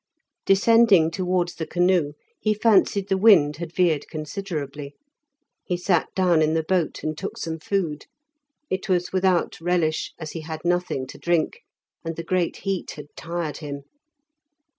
Descending towards the canoe, he fancied the wind had veered considerably. He sat down in the boat, and took some food; it was without relish, as he had nothing to drink, and the great heat had tired him.